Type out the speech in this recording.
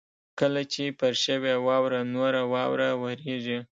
کله چې پر شوې واوره نوره واوره ورېږي